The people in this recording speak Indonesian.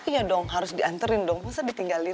iya dong harus dianterin dong masa ditinggalin